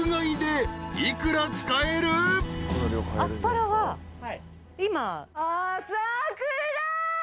アスパラは今。